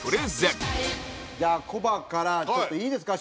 じゃあコバからちょっといいですか？